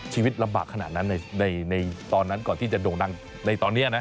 ชีวิตลำบากขนาดนั้นในตอนนั้นก่อนที่จะโด่งดังในตอนนี้นะ